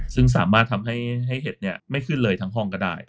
ซึ่งบาถทำให้เห็ดเนี่ยไม่ขึ้นเลยทั้งพ่องก็ได้